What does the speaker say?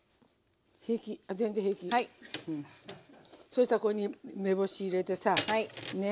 そうしたらここに梅干し入れてさね。